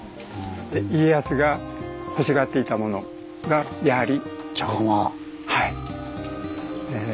で家康がほしがっていたモノがやはり。